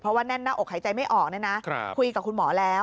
เพราะว่าแน่นหน้าอกหายใจไม่ออกคุยกับคุณหมอแล้ว